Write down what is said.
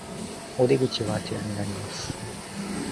お出口はあちらになります